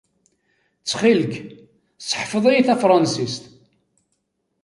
Ttxil-k, seḥfeḍ-iyi tafransist.